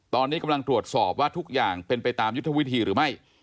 ตอนนี้กำลังตรวจสอบว่าทุกอย่างเป็นไปตามยุทธวิธีหรือไม่